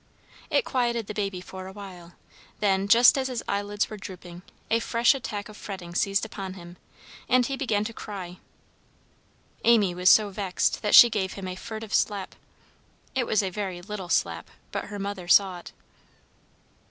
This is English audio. It quieted the baby for a while, then, just as his eyelids were drooping, a fresh attack of fretting seized upon him, and he began to cry; Amy was so vexed that she gave him a furtive slap. It was a very little slap, but her mother saw it.